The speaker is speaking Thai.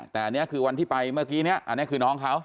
แต่อันนี้คือวันที่ไปเมื่อกี้เนี่ยอันนี้คือน้องเขา